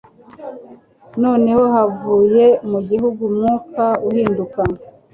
Noneho havuye mu gihuru umwuka uhinduka